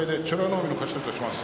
海の勝ちといたします。